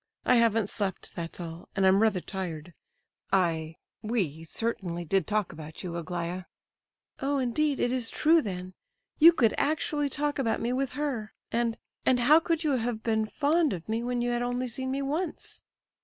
I haven't slept, that's all, and I'm rather tired. I—we certainly did talk about you, Aglaya." "Oh, indeed, it is true then! You could actually talk about me with her; and—and how could you have been fond of me when you had only seen me once?"